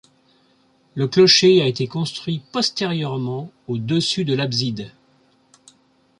Le clocher a été construit postérieurement au-dessus de l’abside.